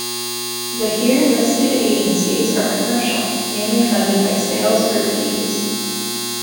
The here listed agencies are commercial, mainly funded by sales or fees.